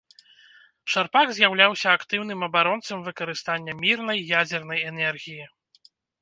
Шарпак з'яўляўся актыўным абаронцам выкарыстання мірнай ядзернай энергіі.